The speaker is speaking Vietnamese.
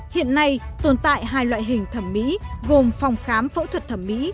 hiện nay tồn tại hai loại hình thẩm mỹ gồm phòng khám phẫu thuật thẩm mỹ